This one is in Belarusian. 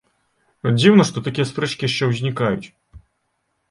Дзіўна, што такія спрэчкі яшчэ ўзнікаюць.